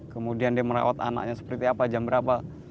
kemudian dia merawat anaknya seperti apa jam berapa